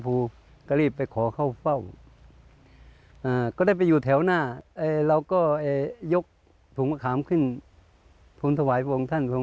พระองค์ธรรมถามทั้งหมดสำหรับหุ้ายถึงศาลนี้